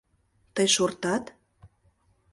Тый шортат?